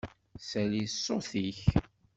Sali ṣṣut-ik!